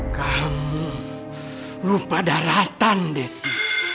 kamu rupa daratan desi